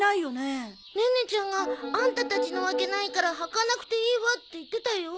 ネネちゃんがアンタたちのわけないから履かなくていいわって言ってたよ。